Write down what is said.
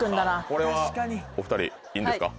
これはお２人いいんですか？